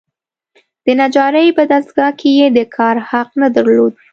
د نجارۍ په دستګاه کې یې د کار حق نه درلود.